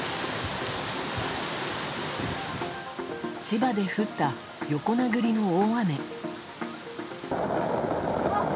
千葉で降った、横殴りの大雨。